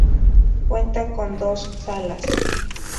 Cuenta con dos salas.